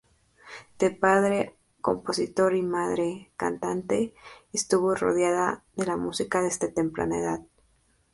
De padre compositor y madre cantante, estuvo rodeada de la música desde temprana edad.